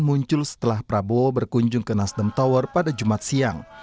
muncul setelah prabowo berkunjung ke nasdem tower pada jumat siang